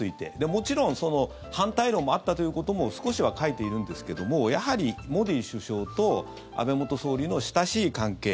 もちろん反対論もあったということも少しは書いているんですけどもやはりモディ首相と安倍元総理の親しい関係